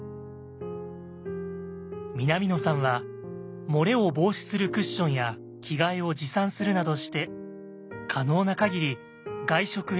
南野さんは漏れを防止するクッションや着替えを持参するなどして可能なかぎり外食へ